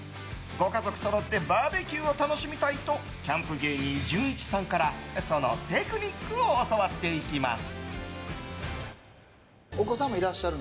ご家族そろってバーベキューを楽しみたいとキャンプ芸人じゅんいちさんからそのテクニックを教わっていきます。